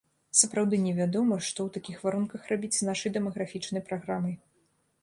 Сапраўды не вядома, што ў такіх варунках рабіць з нашай дэмаграфічнай праграмай.